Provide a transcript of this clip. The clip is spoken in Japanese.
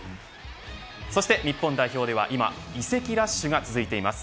そして日本代表では今移籍ラッシュが続いています。